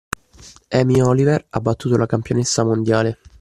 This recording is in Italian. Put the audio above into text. Amy Oliver ha battuto la campionessa mondiale.